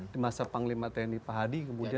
di masa panglima tni pak hadi kemudian